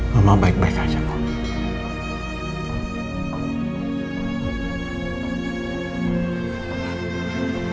mama baik baik aja pak